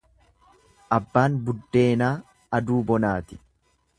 Abbaan buddeenaa aduu bonaati.